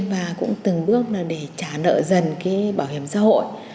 và cũng từng bước là để trả nợ dần cái bảo hiểm xã hội